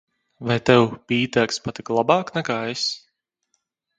Vai tev Pīters patika labāk nekā es?